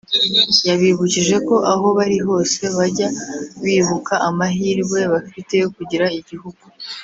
yabibukije ko aho bari hose bajya bibuka amahirwe bafite yo kugira igihugu